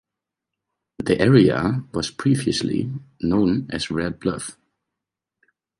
The area was previously known as Red Bluff.